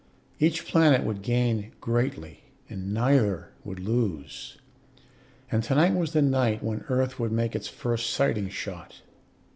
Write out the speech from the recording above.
Each planet would gain greatly, and neither would lose. And tonight was the night when Earth would make its first sighting shot.